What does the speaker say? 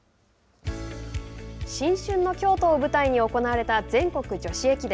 新春の京都を舞台に行われた全国女子駅伝。